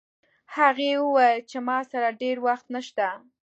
هغې وویل چې ما سره ډېر وخت نشته